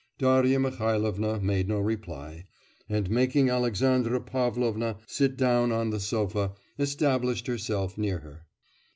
Darya Mihailovna made no reply, and making Alexandra Pavlovna sit down on the sofa, established herself near her.